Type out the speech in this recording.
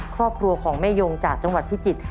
ครอบครัวของแม่ยงจากจังหวัดพิจิตร